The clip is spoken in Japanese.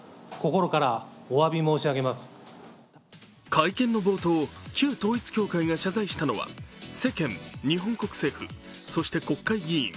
会見の冒頭、旧統一教会が謝罪したのは世間、日本国政府、そして国会議員。